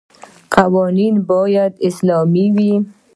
قوانین باید اسلامي وي.